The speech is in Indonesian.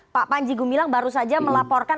pak panji gumilang baru saja melaporkan